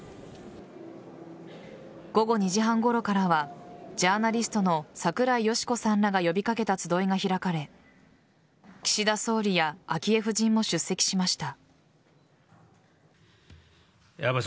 午後２時半ごろからはジャーナリストの櫻井よしこさんらが呼び掛けた集いが開かれ岸田総理や昭恵夫人も出席しました。